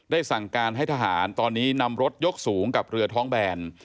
สั่งการให้ทหารตอนนี้นำรถยกสูงกับเรือท้องแบน